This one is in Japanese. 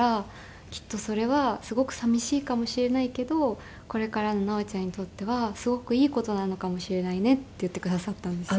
「きっとそれはすごく寂しいかもしれないけどこれからの奈緒ちゃんにとってはすごくいい事なのかもしれないね」って言ってくださったんですよ。